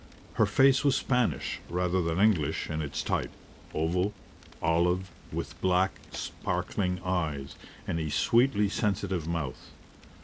Her face was Spanish rather than English in its type oval, olive, with black, sparkling eyes, and a sweetly sensitive mouth.